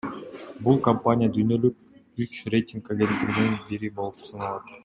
Бул компания дүйнөлүк үч рейтинг агенттигинин бири болуп саналат.